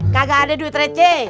kagak ada duit reci